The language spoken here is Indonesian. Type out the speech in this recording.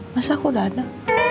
masih aku udah ada